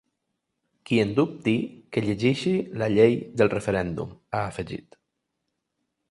Qui en dubti, que llegeixi la llei del referèndum, ha afegit.